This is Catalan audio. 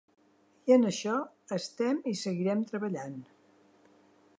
I en això estem i hi seguirem treballant.